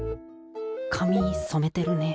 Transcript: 髪染めてるね。